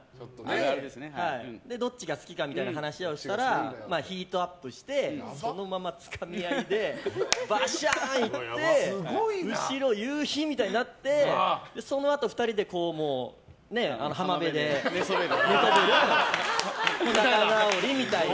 どっちが好きかみたいな話をしたらヒートアップしてそのままつかみ合いでバシャーンっていって後ろ、夕日みたいになってそのあと、２人で浜辺で寝そべって仲直りみたいな。